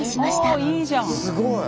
あいいじゃん。